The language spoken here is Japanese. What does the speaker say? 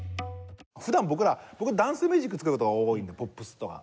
普段僕ら僕ダンスミュージック作る事が多いんでポップスとか。